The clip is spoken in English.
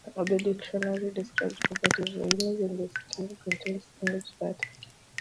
The dictionary describes properties of the image, and the stream contains the image data.